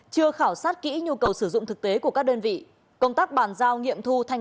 chưa khảo sát kỹ nhu cầu sử dụng thực tế của các đơn vị công tác bàn giao nghiệm thu thanh